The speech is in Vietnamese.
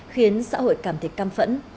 khiến xã hội cảm thấy cam phẫn